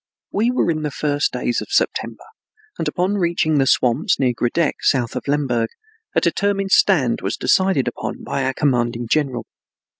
We were in the first days of September, and upon reaching the swamps near Grodeck, south of Lemberg, a determined stand was decided upon by our commanding general.